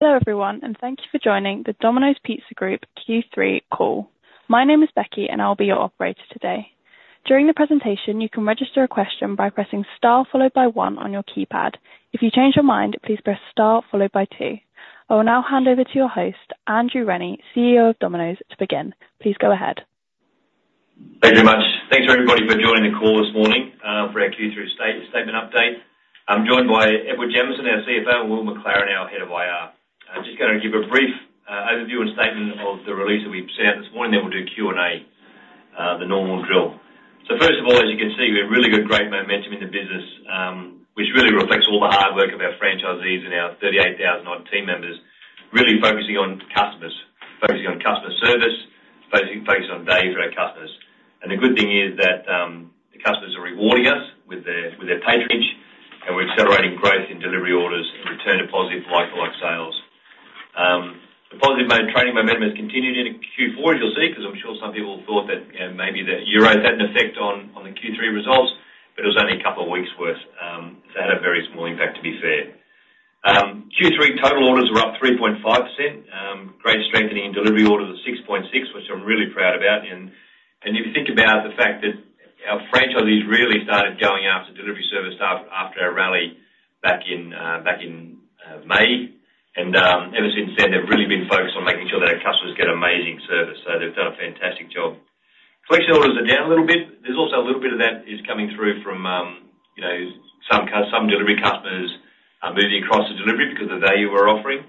Hello everyone, and thank you for joining the Domino's Pizza Group Q3 call. My name is Becky, and I'll be your operator today. During the presentation, you can register a question by pressing star followed by one on your keypad. If you change your mind, please press star followed by two. I will now hand over to your host, Andrew Rennie, CEO of Domino's, to begin. Please go ahead. Thank you very much. Thanks for everybody for joining the call this morning for our Q3 statement update. I'm joined by Edward Jamieson, our CFO, and Will McLaren, our Head of IR. I'm just going to give a brief overview and statement of the release that we've sent out this morning, then we'll do Q&A, the normal drill. So first of all, as you can see, we have really good, great momentum in the business, which really reflects all the hard work of our franchisees and our 38,000-odd team members, really focusing on customers, focusing on customer service, focusing on value for our customers. And the good thing is that the customers are rewarding us with their patronage, and we're accelerating growth in delivery orders and return to positive like-for-like sales. The positive training momentum has continued into Q4, as you'll see, because I'm sure some people thought that maybe the euro had an effect on the Q3 results, but it was only a couple of weeks' worth. It's had a very small impact, to be fair. Q3 total orders were up 3.5%, great strengthening in delivery orders of 6.6%, which I'm really proud about, and if you think about the fact that our franchisees really started going after delivery service after our rally back in May, and ever since then, they've really been focused on making sure that our customers get amazing service, so they've done a fantastic job. Collection orders are down a little bit. There's also a little bit of that is coming through from some delivery customers moving across the delivery because of the value we're offering.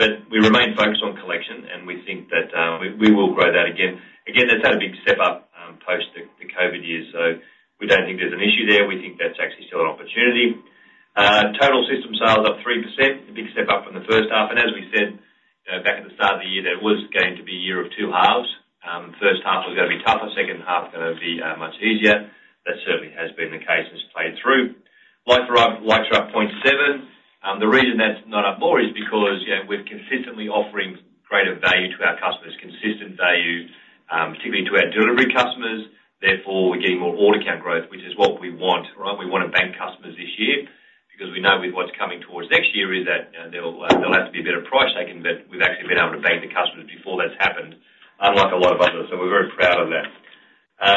But we remain focused on collection, and we think that we will grow that again. Again, they've had a big step up post the COVID years, so we don't think there's an issue there. We think that's actually still an opportunity. Total system sales up 3%, a big step up from the first half. And as we said back at the start of the year, that it was going to be a year of two halves. First half was going to be tougher, second half going to be much easier. That certainly has been the case and has played through. Like-for-like's are up 0.7%. The reason that's not up more is because we're consistently offering greater value to our customers, consistent value, particularly to our delivery customers. Therefore, we're getting more order count growth, which is what we want. We want to bank customers this year because we know with what's coming towards next year is that there'll have to be a better price taken. But we've actually been able to bank the customers before that's happened, unlike a lot of others. So we're very proud of that.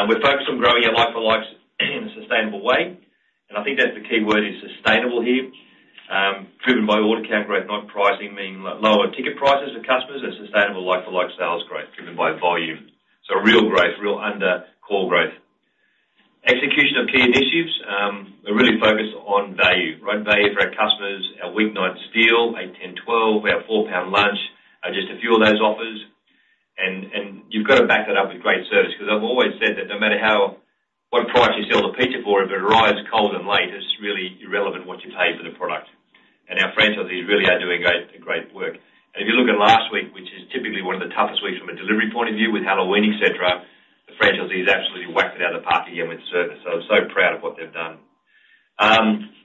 We're focused on growing our like-for-like in a sustainable way. And I think that's the key word is sustainable here, driven by order count growth, not pricing, meaning lower ticket prices for customers and sustainable like-for-like sales growth driven by volume. So real growth, real order count growth. Execution of key initiatives. We're really focused on value, value for our customers, our weeknight steal, 8-10-12, our EURO 4 lunch, just a few of those offers. You've got to back that up with great service because I've always said that no matter what price you sell the pizza for, if it arrives cold and late, it's really irrelevant what you pay for the product. Our franchisees really are doing great work. If you look at last week, which is typically one of the toughest weeks from a delivery point of view with Halloween, etc., the franchisees absolutely whacked it out of the park again with service. I'm so proud of what they've done.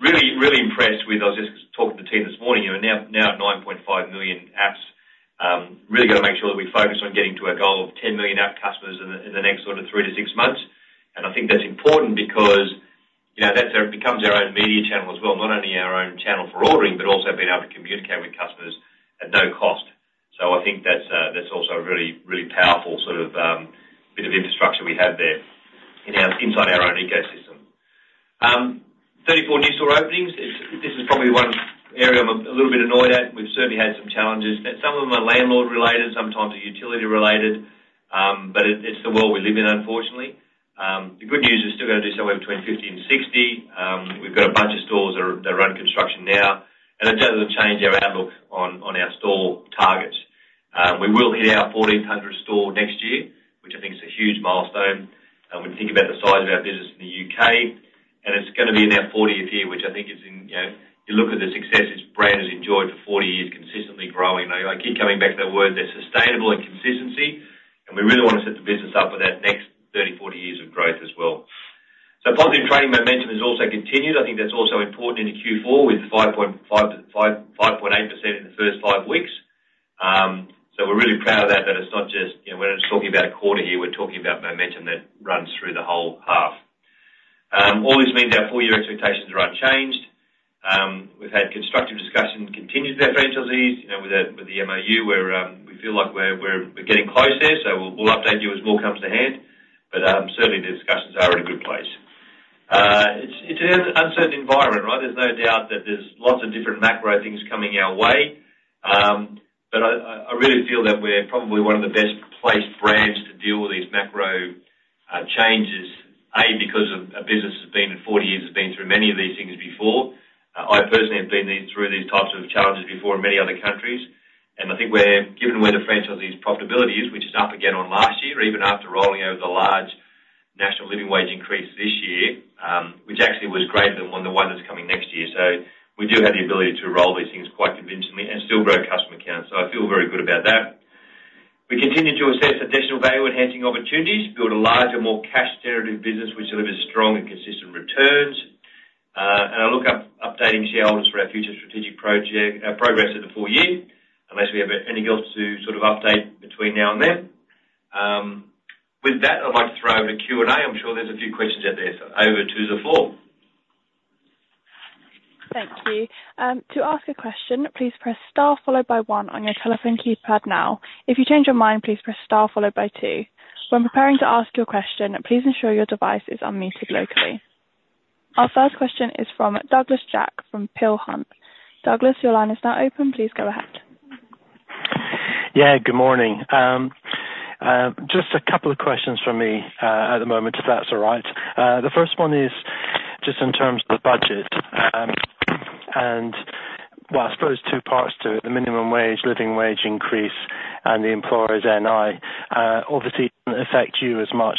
Really, really impressed with, I was just talking to the team this morning, now at 9.5 million apps. Really got to make sure that we focus on getting to our goal of 10 million app customers in the next sort of three to six months. I think that's important because that becomes our own media channel as well, not only our own channel for ordering, but also being able to communicate with customers at no cost. So I think that's also a really, really powerful sort of bit of infrastructure we have there inside our own ecosystem. 34 new store openings. This is probably one area I'm a little bit annoyed at. We've certainly had some challenges. Some of them are landlord-related, sometimes utility-related, but it's the world we live in, unfortunately. The good news is we're still going to do somewhere between 50 and 60. We've got a bunch of stores that are under construction now, and it doesn't change our outlook on our store targets. We will hit our 1,400 store next year, which I think is a huge milestone. When you think about the size of our business in the U.K., and it's going to be in our 40th year, which I think is. You look at the success this brand has enjoyed for 40 years, consistently growing. I keep coming back to that word, that sustainability and consistency, and we really want to set the business up for that next 30, 40 years of growth as well. So positive trading momentum has also continued. I think that's also important in Q4 with 5.8% in the first five weeks. So we're really proud of that, that it's not just when it's talking about a quarter here, we're talking about momentum that runs through the whole half. All this means our full year expectations are unchanged. We've had constructive discussions continued with our franchisees, with the MOU, where we feel like we're getting close there. So we'll update you as more comes to hand. But certainly, the discussions are in a good place. It's an uncertain environment, right? There's no doubt that there's lots of different macro things coming our way. But I really feel that we're probably one of the best-placed brands to deal with these macro changes, A, because our business has been, in 40 years, has been through many of these things before. I personally have been through these types of challenges before in many other countries. And I think given where the franchisee's profitability is, which is up again on last year, even after rolling over the large National Living Wage increase this year, which actually was greater than the one that's coming next year. So we do have the ability to roll these things quite convincingly and still grow customer counts. So I feel very good about that. We continue to assess additional value-enhancing opportunities to build a larger, more cash-generative business, which delivers strong and consistent returns. I'll look forward to updating shareholders on our future strategic progress in the full year, unless we have anything else to sort of update between now and then. With that, I'd like to throw over to Q&A. I'm sure there's a few questions out there, so over to the floor. Thank you. To ask a question, please press star followed by one on your telephone keypad now. If you change your mind, please press star followed by two. When preparing to ask your question, please ensure your device is unmuted locally. Our first question is from Douglas Jack from Peel Hunt. Douglas, your line is now open. Please go ahead. Yeah, good morning. Just a couple of questions from me at the moment, if that's all right. The first one is just in terms of the budget, and well, I suppose two parts to it. The minimum wage, living wage increase, and the employer's NI, obviously doesn't affect you as much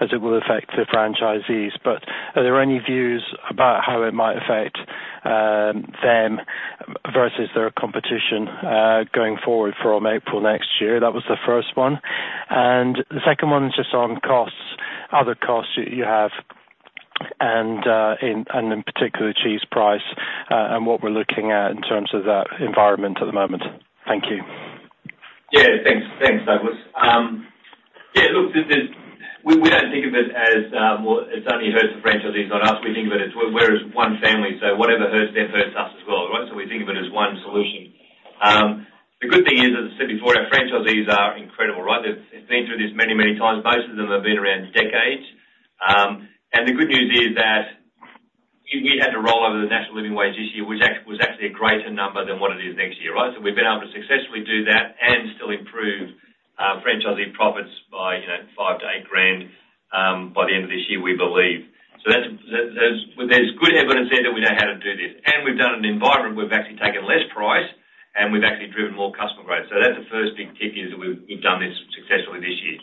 as it will affect the franchisees, but are there any views about how it might affect them versus their competition going forward from April next year? That was the first one, and the second one is just on costs, other costs you have, and in particular, cheese price and what we're looking at in terms of that environment at the moment. Thank you. Yeah, thanks, Douglas. Yeah, look, we don't think of it as, well, it's only hurt the franchisees on us. We think of it as we're one family. So whatever hurts them, hurts us as well, right? So we think of it as one solution. The good thing is, as I said before, our franchisees are incredible, right? They've been through this many, many times. Most of them have been around decades. And the good news is that we had to roll over the National Living Wage this year, which was actually a greater number than what it is next year, right? So we've been able to successfully do that and still improve franchisee profits by EURO 5,000-8,000 by the end of this year, we believe. So there's good evidence there that we know how to do this. And we've done an environment where we've actually taken less price, and we've actually driven more customer growth. So that's the first big tip is that we've done this successfully this year.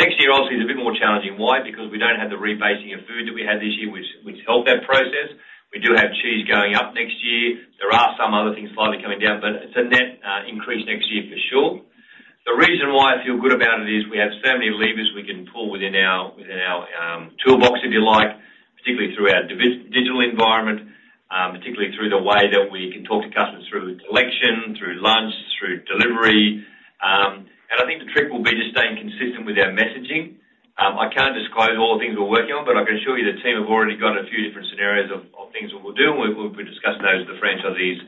Next year, obviously, is a bit more challenging. Why? Because we don't have the rebasing of food that we had this year, which helped that process. We do have cheese going up next year. There are some other things slightly coming down, but it's a net increase next year for sure. The reason why I feel good about it is we have so many levers we can pull within our toolbox, if you like, particularly through our digital environment, particularly through the way that we can talk to customers through selection, through lunch, through delivery. And I think the trick will be just staying consistent with our messaging. I can't disclose all the things we're working on, but I can assure you the team have already got a few different scenarios of things we will do, and we'll be discussing those with the franchisees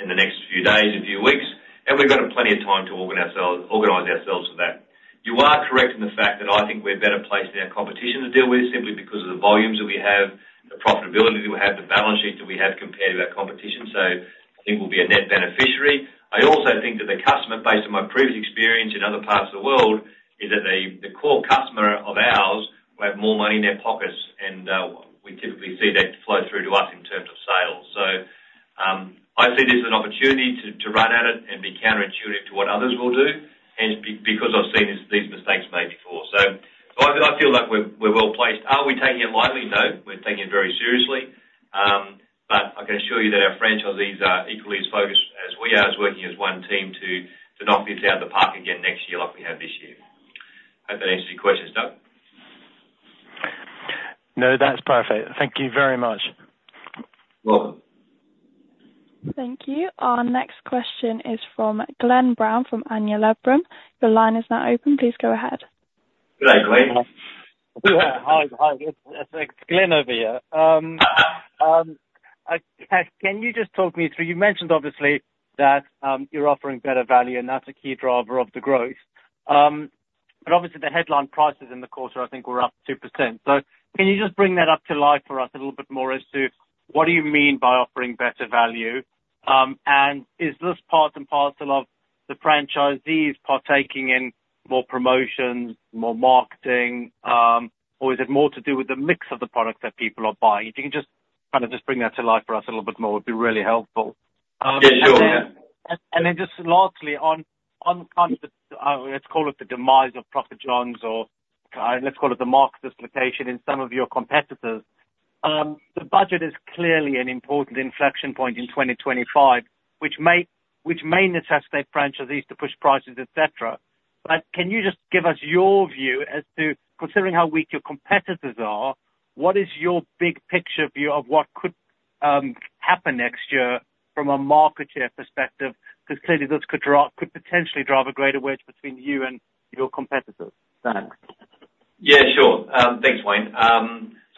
in the next few days, a few weeks, and we've got plenty of time to organize ourselves for that. You are correct in the fact that I think we're better placed in our competition to deal with simply because of the volumes that we have, the profitability that we have, the balance sheet that we have compared to our competition, so I think we'll be a net beneficiary. I also think that the customer, based on my previous experience in other parts of the world, is that the core customer of ours will have more money in their pockets, and we typically see that flow through to us in terms of sales. So I see this as an opportunity to run at it and be counterintuitive to what others will do because I've seen these mistakes made before. So I feel like we're well placed. Are we taking it lightly? No. We're taking it very seriously. But I can assure you that our franchisees are equally as focused as we are as working as one team to knock this out of the park again next year like we have this year. I hope that answers your questions, Doug. No, that's perfect. Thank you very much. You're welcome. Thank you. Our next question is from Glen Brown from Van Berkom. Your line is now open. Please go ahead. Good day, Glen. Hi. Hi. It's Glen over here. Can you just talk me through? You mentioned, obviously, that you're offering better value, and that's a key driver of the growth. But obviously, the headline prices in the quarter, I think, were up 2%. So can you just bring that to life for us a little bit more as to what do you mean by offering better value? And is this part and parcel of the franchisees partaking in more promotions, more marketing, or is it more to do with the mix of the products that people are buying? If you can just kind of just bring that to life for us a little bit more, it would be really helpful. Yeah, sure. And then just lastly, on kind of the, let's call it the demise of Papa John's or let's call it the market dislocation in some of your competitors, the budget is clearly an important inflection point in 2025, which may necessitate franchisees to push prices, etc. But can you just give us your view as to, considering how weak your competitors are, what is your big picture view of what could happen next year from a market share perspective? Because clearly, this could potentially drive a greater wedge between you and your competitors. Thanks. Yeah, sure. Thanks, Wayne.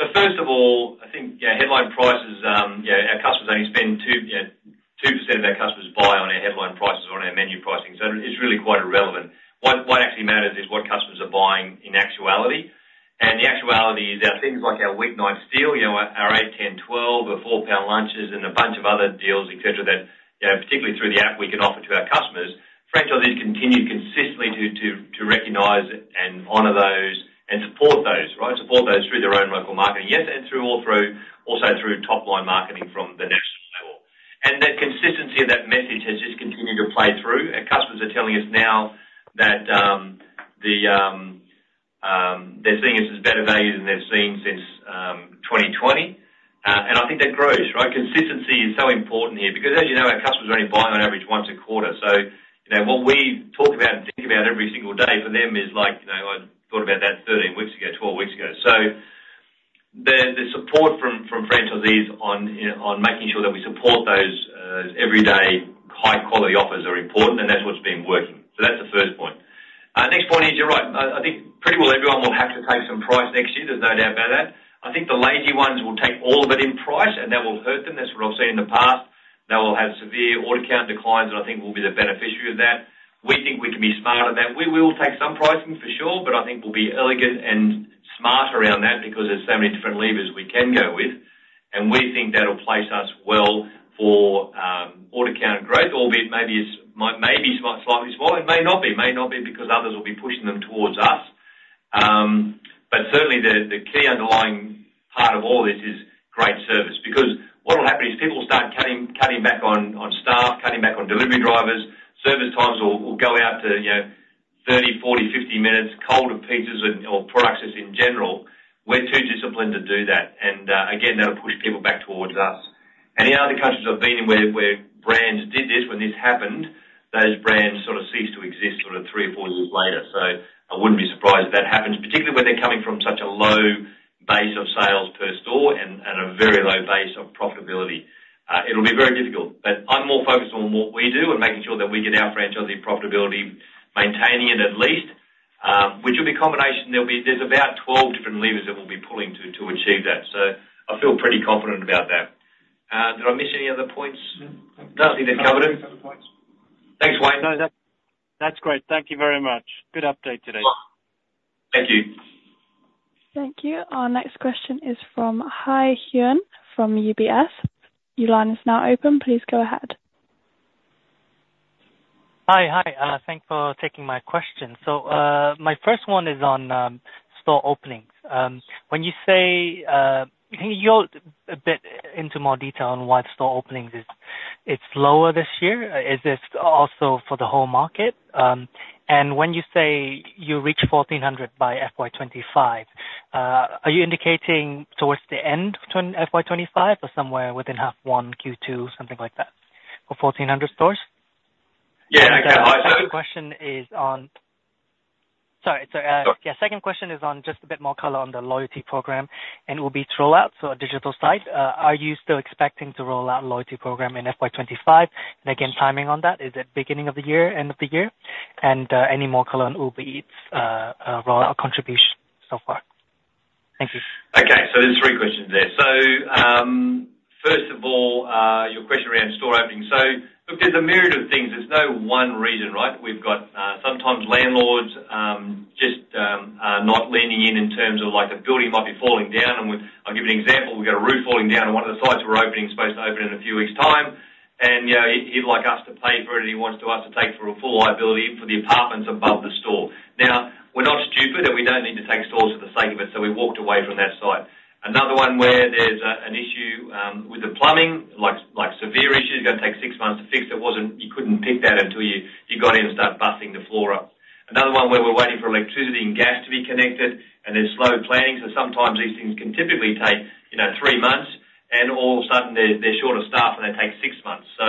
So first of all, I think headline prices, our customers only spend 2% of their customers buy on our headline prices or on our menu pricing. So it's really quite irrelevant. What actually matters is what customers are buying in actuality. And the actuality is our things like our weeknight steal, our 8-10-12, the EURO 4 lunches, and a bunch of other deals, etc., that particularly through the app we can offer to our customers. Franchisees continue consistently to recognize and honor those and support those, right? Support those through their own local marketing, yes, and also through top-line marketing from the national level. And that consistency of that message has just continued to play through. Our customers are telling us now that they're seeing us as better value than they've seen since 2020. And I think that grows, right? Consistency is so important here because, as you know, our customers are only buying on average once a quarter. So what we talk about and think about every single day for them is like, "I thought about that 13 weeks ago, 12 weeks ago." So the support from franchisees on making sure that we support those everyday high-quality offers are important, and that's what's been working. So that's the first point. Next point is, you're right. I think pretty well everyone will have to pay some price next year. There's no doubt about that. I think the lazy ones will take all of it in price, and that will hurt them. That's what I've seen in the past. They will have severe order count declines, and I think we'll be the beneficiary of that. We think we can be smart on that. We will take some pricing for sure, but I think we'll be elegant and smart around that because there's so many different levers we can go with. And we think that'll place us well for order count growth, albeit maybe slightly smaller. It may not be. It may not be because others will be pushing them towards us. But certainly, the key underlying part of all this is great service. Because what will happen is people will start cutting back on staff, cutting back on delivery drivers. Service times will go out to 30, 40, 50 minutes, colder pizzas or products just in general. We're too disciplined to do that. And again, that'll push people back towards us. Any other countries I've been in where brands did this when this happened, those brands sort of ceased to exist sort of three or four years later. So I wouldn't be surprised if that happens, particularly when they're coming from such a low base of sales per store and a very low base of profitability. It'll be very difficult. But I'm more focused on what we do and making sure that we get our franchisee profitability maintaining it at least, which will be a combination. There's about 12 different levers that we'll be pulling to achieve that. So I feel pretty confident about that. Did I miss any other points? No. Nothing that covered them? Thanks, Wayne. No, that's great. Thank you very much. Good update today. Thank you. Thank you. Our next question is from Hyein Jeon from UBS. Your line is now open. Please go ahead. Hi. Hi. Thanks for taking my question. So my first one is on store openings. When you say you can go a bit into more detail on why the store openings is lower this year? Is this also for the whole market? And when you say you reach 1,400 by FY 2025, are you indicating towards the end of FY 2025 or somewhere within half one, Q2, something like that, for 1,400 stores? Yeah. Yeah. My second question is on, sorry. Sure. Yeah. Second question is on just a bit more color on the loyalty program and Uber Eats rollout, so a digital side. Are you still expecting to roll out a loyalty program in FY 2025? And again, timing on that, is it beginning of the year, end of the year? And any more color on Uber Eats rollout contribution so far? Thank you. Okay. So there's three questions there. So first of all, your question around store opening. So look, there's a myriad of things. There's no one reason, right? We've got sometimes landlords just not lending in terms of like the building might be falling down. And I'll give you an example. We've got a roof falling down, and one of the sites we're opening is supposed to open in a few weeks' time. And he'd like us to pay for it, and he wants us to take full liability for the apartments above the store. Now, we're not stupid, and we don't need to take stores for the sake of it, so we walked away from that site. Another one where there's an issue with the plumbing, like severe issues, going to take six months to fix. You couldn't pick that until you got in and start buffing the floor up. Another one where we're waiting for electricity and gas to be connected, and there's slow planning. So sometimes these things can typically take 3 months, and all of a sudden, they're short of staff, and they take 6 months. So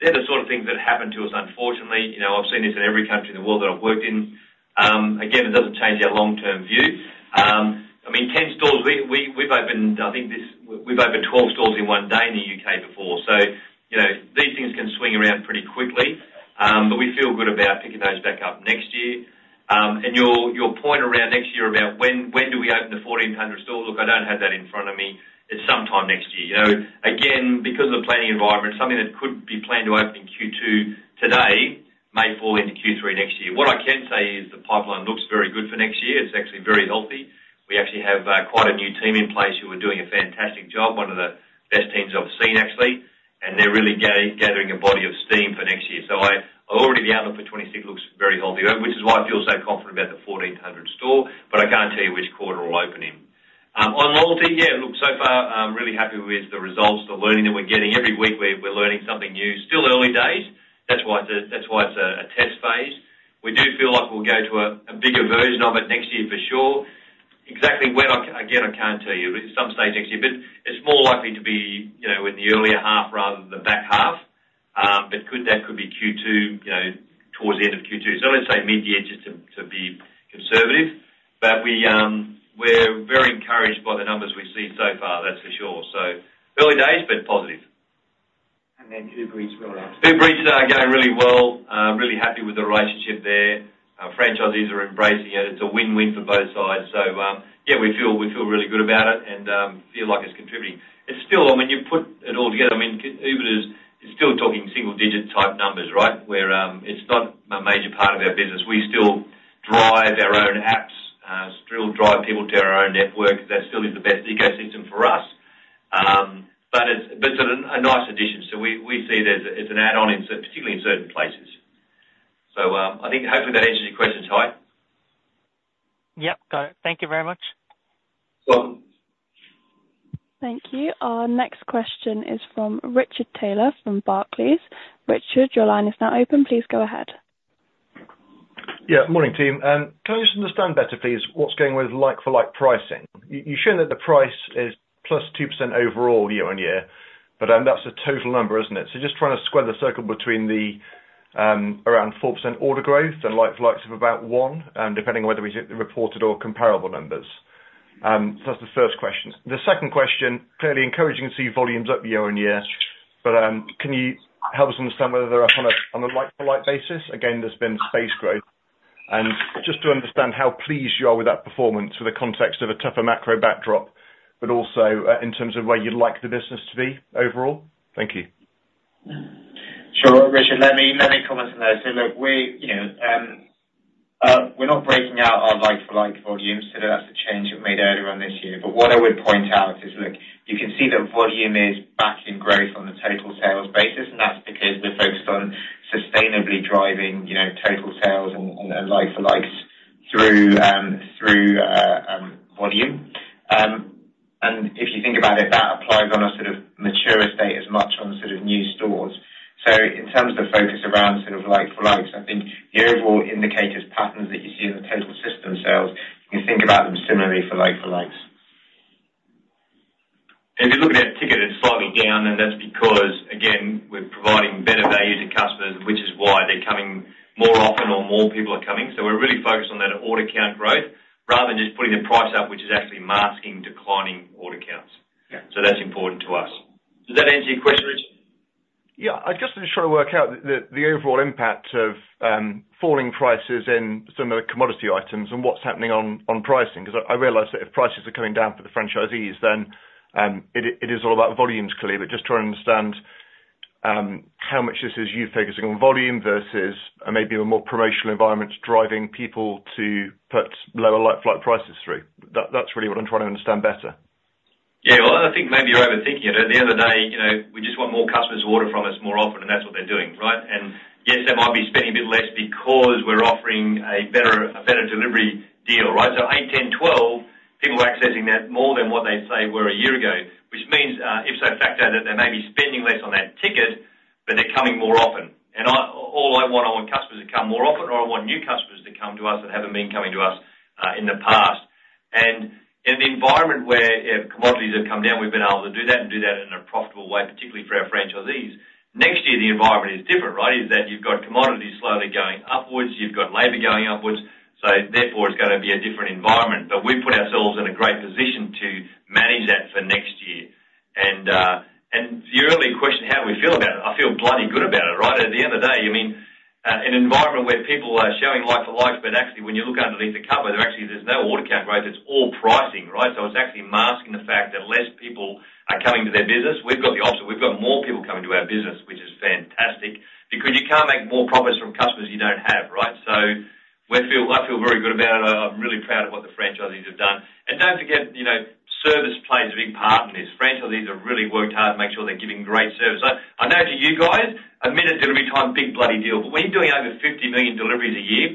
they're the sort of things that happen to us, unfortunately. I've seen this in every country in the world that I've worked in. Again, it doesn't change our long-term view. I mean, 10 stores, we've opened. I think we've opened 12 stores in one day in the UK before. So these things can swing around pretty quickly, but we feel good about picking those back up next year. And your point around next year about when do we open the 1,400 stores, look, I don't have that in front of me. It's sometime next year. Again, because of the planning environment, something that could be planned to open in Q2 today may fall into Q3 next year. What I can say is the pipeline looks very good for next year. It's actually very healthy. We actually have quite a new team in place who are doing a fantastic job, one of the best teams I've seen, actually. And they're really gathering a body of steam for next year. So already the outlook for 2026 looks very healthy, which is why I feel so confident about the 1,400 store. But I can't tell you which quarter we'll open in. On loyalty, yeah, look, so far, I'm really happy with the results, the learning that we're getting. Every week, we're learning something new. Still early days. That's why it's a test phase. We do feel like we'll go to a bigger version of it next year for sure. Exactly when, again, I can't tell you. Some stage next year. But it's more likely to be in the earlier half rather than the back half. But that could be Q2, towards the end of Q2. So let's say mid-year just to be conservative. But we're very encouraged by the numbers we've seen so far, that's for sure. So early days, but positive. And then Uber Eats rollout. Uber Eats are going really well. Really happy with the relationship there. Franchisees are embracing it. It's a win-win for both sides. So yeah, we feel really good about it and feel like it's contributing, and when you put it all together, I mean, Uber is still talking single-digit type numbers, right? Where it's not a major part of our business. We still drive our own apps. Still drive people to our own network. That still is the best ecosystem for us, but it's a nice addition. So we see it's an add-on, particularly in certain places. So I think hopefully that answers your questions, Hyein. Yep. Got it. Thank you very much. You're welcome. Thank you. Our next question is from Richard Taylor from Barclays. Richard, your line is now open. Please go ahead. Yeah. Morning, team. Can I just understand better, please, what's going on with like-for-like pricing? You're showing that the price is plus 2% overall year on year, but that's a total number, isn't it? So just trying to square the circle between the around 4% order growth and like-for-likes of about 1%, depending on whether we reported or comparable numbers. So that's the first question. The second question, clearly encouraging to see volumes up year on year, but can you help us understand whether they're up on a like-for-like basis? Again, there's been store growth. And just to understand how pleased you are with that performance with the context of a tougher macro backdrop, but also in terms of where you'd like the business to be overall? Thank you. Sure. Richard, let me comment on that. So look, we're not breaking out our like-for-like volumes, so that's a change we've made earlier on this year. But what I would point out is, look, you can see that volume is back in growth on the total sales basis, and that's because we're focused on sustainably driving total sales and like-for-likes through volume. And if you think about it, that applies on a sort of mature estate as much on sort of new stores. So in terms of focus around sort of like-for-likes, I think the overall indicators patterns that you see in the total system sales, you can think about them similarly for like-for-likes. If you're looking at a ticket that's slowing down, then that's because, again, we're providing better value to customers, which is why they're coming more often or more people are coming. So we're really focused on that order count growth rather than just putting the price up, which is actually masking declining order counts. So that's important to us. Does that answer your question, Richard? Yeah. I just want to try to work out the overall impact of falling prices in some of the commodity items and what's happening on pricing. Because I realize that if prices are coming down for the franchisees, then it is all about volumes, clearly. But just trying to understand how much this is you focusing on volume versus maybe a more promotional environment driving people to put lower like-for-like prices through. That's really what I'm trying to understand better. Yeah. Well, I think maybe you're overthinking it. At the end of the day, we just want more customers to order from us more often, and that's what they're doing, right? And yes, they might be spending a bit less because we're offering a better delivery deal, right? So 8-10-12, people are accessing that more than what they were a year ago, which means ipso facto that they may be spending less on that ticket, but they're coming more often. And all I want are customers to come more often, or I want new customers to come to us that haven't been coming to us in the past. And in an environment where commodities have come down, we've been able to do that and do that in a profitable way, particularly for our franchisees. Next year, the environment is different, right? It's that you've got commodities slowly going upwards, you've got labor going upwards. So therefore, it's going to be a different environment. But we put ourselves in a great position to manage that for next year, and the early question, how do we feel about it? I feel bloody good about it, right? At the end of the day, I mean, an environment where people are showing like-for-likes, but actually, when you look underneath the cover, there actually is no order count growth. It's all pricing, right? So it's actually masking the fact that less people are coming to their business. We've got the opposite. We've got more people coming to our business, which is fantastic because you can't make more profits from customers you don't have, right? So I feel very good about it. I'm really proud of what the franchisees have done. Don't forget, service plays a big part in this. Franchisees have really worked hard to make sure they're giving great service. I know to you guys, a minute delivery time, big bloody deal. But when you're doing over 50 million deliveries a year,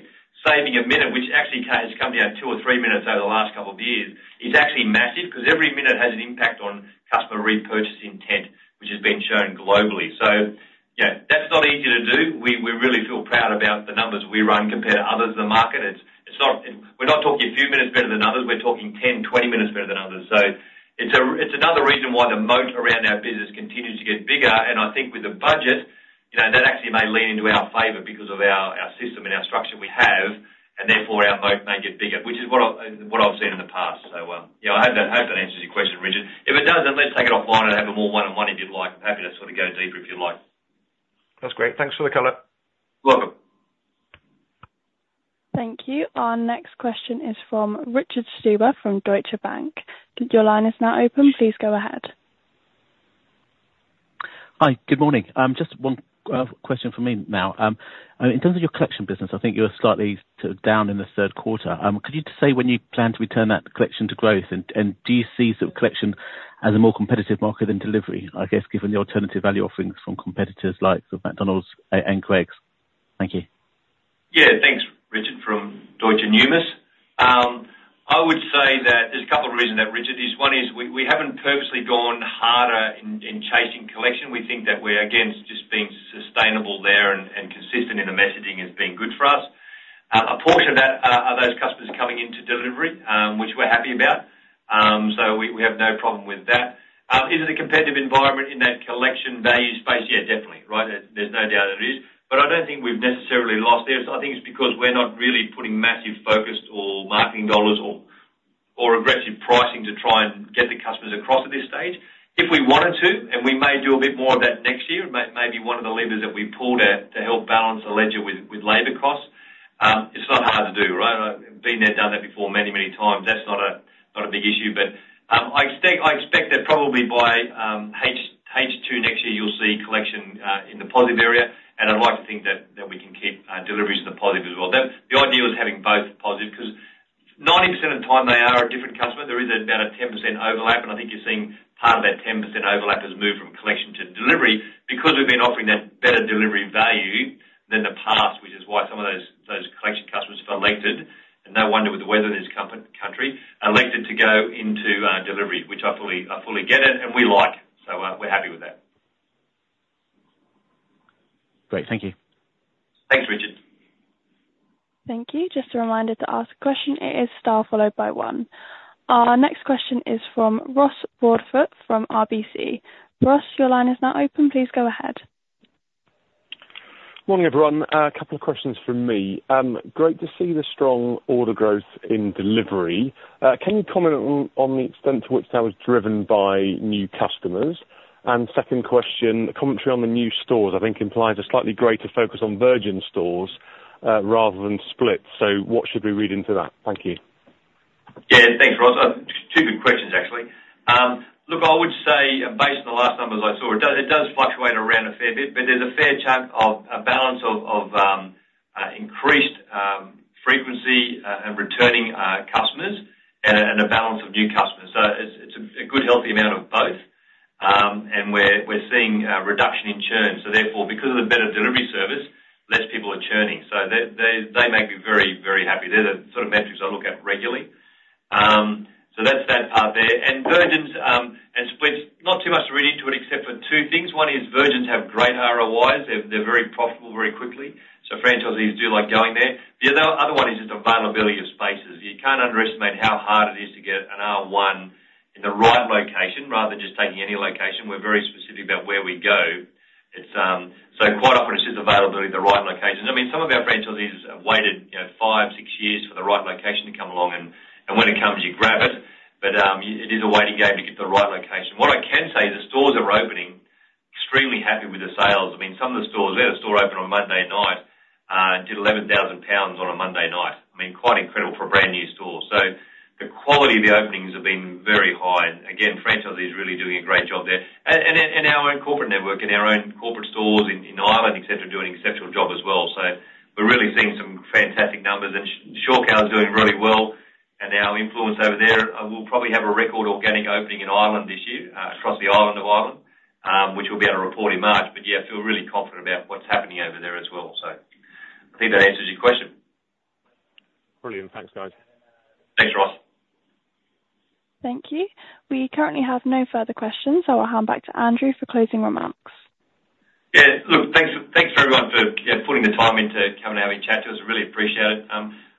saving a minute, which actually has come down two or three minutes over the last couple of years, is actually massive because every minute has an impact on customer repurchase intent, which has been shown globally. So yeah, that's not easy to do. We really feel proud about the numbers we run compared to others in the market. We're not talking a few minutes better than others. We're talking 10, 20 minutes better than others. So it's another reason why the moat around our business continues to get bigger. And I think with the budget, that actually may lean into our favor because of our system and our structure we have, and therefore, our moat may get bigger, which is what I've seen in the past. So yeah, I hope that answers your question, Richard. If it doesn't, let's take it offline and have a more one-on-one if you'd like. I'm happy to sort of go deeper if you'd like. That's great. Thanks for the color. You're welcome. Thank you. Our next question is from Richard Stuber from Deutsche Numis. Your line is now open. Please go ahead. Hi. Good morning. Just one question for me now. In terms of your collection business, I think you were slightly sort of down in the Q3. Could you say when you plan to return that collection to growth, and do you see sort of collection as a more competitive market than delivery, I guess, given the alternative value offerings from competitors like McDonald's and Greggs? Thank you. Yeah. Thanks, Richard, from Deutsche Numis. I would say that there's a couple of reasons there, Richard. One is we haven't purposely gone harder in chasing collection. We think that we're against just being sustainable there and consistent in the messaging as being good for us. A portion of that are those customers coming into delivery, which we're happy about. So we have no problem with that. Is it a competitive environment in that collection value space? Yeah, definitely, right? There's no doubt that it is. But I don't think we've necessarily lost there. I think it's because we're not really putting massive focus or marketing dollars or aggressive pricing to try and get the customers across at this stage. If we wanted to, and we may do a bit more of that next year, maybe one of the levers that we pulled at to help balance the ledger with labor costs, it's not hard to do, right? Being there, done that before many, many times, that's not a big issue. But I expect that probably by H2 next year, you'll see collection in the positive area. And I'd like to think that we can keep deliveries in the positive as well. The idea was having both positive because 90% of the time, they are a different customer. There is about a 10% overlap. And I think you're seeing part of that 10% overlap has moved from collection to delivery because we've been offering that better delivery value than the past, which is why some of those collection customers have elected, and no wonder with the weather in this country, elected to go into delivery, which I fully get it. And we like it. So we're happy with that. Great. Thank you. Thanks, Richard. Thank you. Just a reminder to ask a question. It is star followed by one. Our next question is from Ross Broadfoot from RBC. Ross, your line is now open. Please go ahead. Morning, everyone. A couple of questions from me. Great to see the strong order growth in delivery. Can you comment on the extent to which that was driven by new customers? And second question, commentary on the new stores, I think implies a slightly greater focus on virgin stores rather than split. So what should we read into that? Thank you. Yeah. Thanks, Ross. Two good questions, actually. Look, I would say, based on the last numbers I saw, it does fluctuate around a fair bit, but there's a fair chunk of a balance of increased frequency and returning customers and a balance of new customers, so it's a good, healthy amount of both, and we're seeing a reduction in churn. So therefore, because of the better delivery service, less people are churning, so they may be very, very happy. They're the sort of metrics I look at regularly, so that's that part there, and splits, not too much to read into it except for two things. One is new stores have great ROIs. They're very profitable very quickly, so franchisees do like going there. The other one is just availability of spaces. You can't underestimate how hard it is to get an R1 in the right location rather than just taking any location. We're very specific about where we go. So quite often, it's just availability, the right location. I mean, some of our franchisees have waited five, six years for the right location to come along, and when it comes, you grab it. But it is a waiting game to get the right location. What I can say is the stores are opening, extremely happy with the sales. I mean, some of the stores, we had a store open on Monday night, did EURO 11,000 on a Monday night. I mean, quite incredible for a brand new store. So the quality of the openings have been very high. And again, franchisees are really doing a great job there. Our own corporate network and our own corporate stores in Ireland, etc., are doing an exceptional job as well. So we're really seeing some fantastic numbers. And Shorecal is doing really well. And our franchisees over there, we'll probably have a record organic opening in Ireland this year, across the island of Ireland, which we'll be able to report in March. But yeah, I feel really confident about what's happening over there as well. So I think that answers your question. Brilliant. Thanks, guys. Thanks, Ross. Thank you. We currently have no further questions, so I'll hand back to Andrew for closing remarks. Yeah. Look, thanks for everyone for putting the time into coming out and chatting to us. I really appreciate it.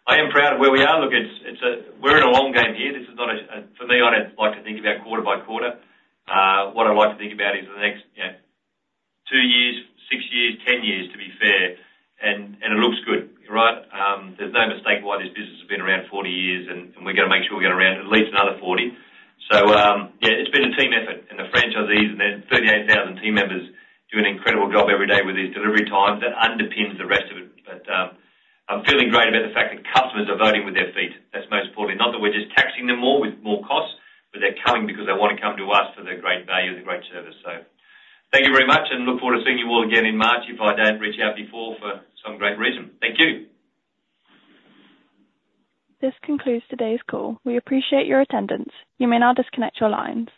I am proud of where we are. Look, we're in a long game here. This is not a for me, I don't like to think about quarter-by-quarter. What I like to think about is the next two years, six years, 10 years, to be fair, and it looks good, right? There's no mistake why this business has been around 40 years, and we're going to make sure we get around at least another 40, so yeah, it's been a team effort, and the franchisees and their 38,000 team members do an incredible job every day with these delivery times that underpins the rest of it, but I'm feeling great about the fact that customers are voting with their feet. That's most importantly. Not that we're just taxing them more with more costs, but they're coming because they want to come to us for the great value and the great service. Thank you very much, and look forward to seeing you all again in March if I don't reach out before for some great reason. Thank you. This concludes today's call. We appreciate your attendance. You may now disconnect your lines.